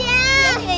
ya ya udah them